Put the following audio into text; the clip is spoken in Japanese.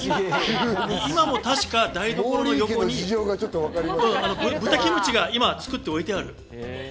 今も確か台所の横に豚キムチが作って置いてある。